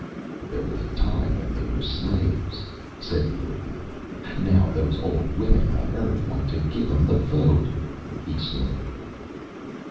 "There was a time when they were slaves," said Riordan. "Now those old women on Earth want to give 'em the vote." He snorted.